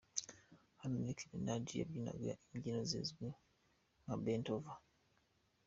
Hano Nick Minaj yabyinaga imbyino zizwi nka Bent over.